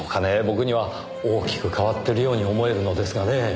僕には大きく変わってるように思えるのですがねぇ。